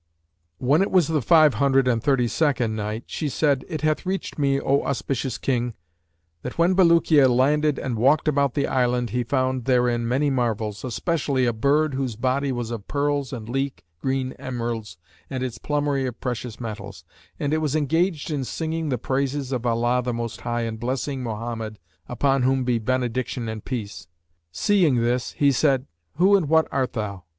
When it was the Five Hundred and Thirty second Night, She said, It hath reached me, O auspicious King, that "when Bulukiya landed and walked about the island he found therein many marvels, especially a bird whose body was of pearls and leek green emeralds and its plumery of precious metals; and it was engaged in singing the praises of Allah the Most High and blessing Mohammed (upon whom be benediction and peace!). Seeing this he said, 'Who and what art thou?'